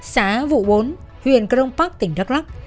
xá vụ bốn huyện crong park tỉnh đắk lắc